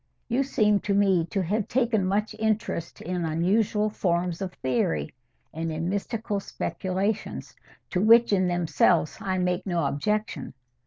You seem to me to have taken much interest in unusual forms of theory, and in mystical speculations, to which in themselves I make no objection.